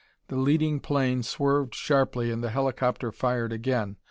The leading plane swerved sharply and the helicopter fired again.